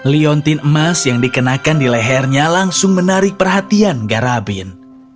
liontin emas yang dikenakan di lehernya langsung menarik perhatian garabin